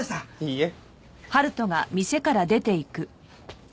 いいえ。